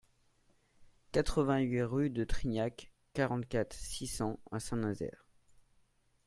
quatre-vingt-huit rue de Trignac, quarante-quatre, six cents à Saint-Nazaire